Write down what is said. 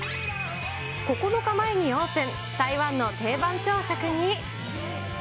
９日前にオープン、台湾の定番朝食に。